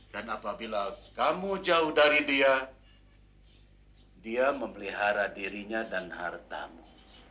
dan apabila kamu jauh dari dia dia memelihara dirinya dan hartamu